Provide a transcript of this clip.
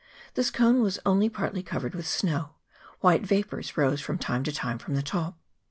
This cone was only partly covered with snow ; white vapours rose from time to time from the top.